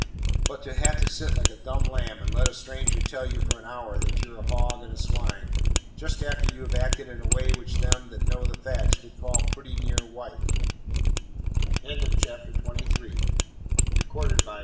But to have to sit like a dumb lamb and let a stranger tell y'u for an hour that yu're a hawg and a swine, just after you have acted in a way which them that know the facts would call pretty near white " [Footnote 3: Reprinted from Mr. Owen Wister's "The Virginian."